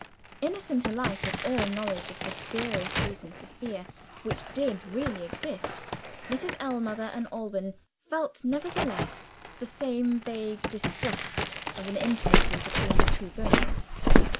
Innocent alike of all knowledge of the serious reason for fear which did really exist, Mrs. Ellmother and Alban felt, nevertheless, the same vague distrust of an intimacy between the two girls.